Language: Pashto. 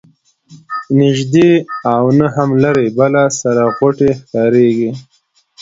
نه نیژدې او نه هم لیري بله سره غوټۍ ښکاریږي